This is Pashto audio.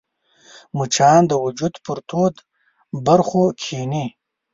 مچان د وجود پر تودو برخو کښېني